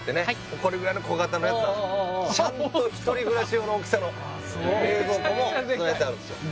これぐらいの小型のやつなんですよちゃんと一人暮らし用の大きさの冷蔵庫も備えてあるんですよ